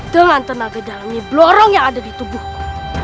dengan tenaga dalami blorong yang ada di tubuhku